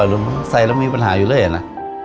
หรือว่าใส่เรามีปัญหาอยู่เลยนะ